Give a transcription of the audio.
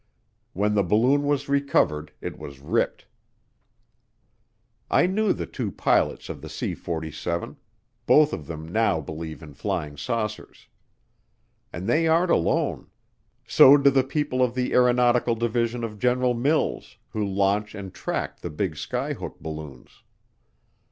When the balloon was recovered it was ripped. I knew the two pilots of the C 47; both of them now believe in flying saucers. And they aren't alone; so do the people of the Aeronautical Division of General Mills who launch and track the big skyhook balloons.